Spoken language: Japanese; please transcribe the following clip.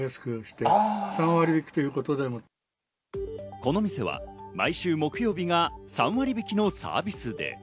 この店は毎週木曜日が３割引きのサービスデー。